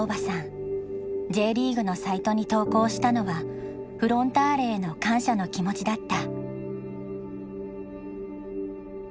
Ｊリーグのサイトに投稿したのはフロンターレへの感謝の気持ちだった。